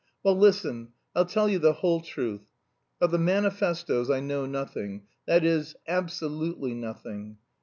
"Well, listen. I'll tell you the whole truth: of the manifestoes I know nothing that is, absolutely nothing.